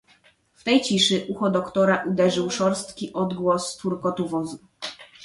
"W tej ciszy ucho doktora uderzył szorstki odgłos turkotu wozu."